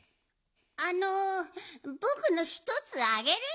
あのぼくのひとつあげるよ。